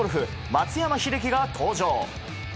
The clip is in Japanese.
松山英樹が登場。